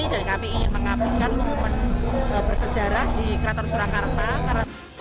dan kami ingin mengambilkan momen bersejarah di keraton selangkarta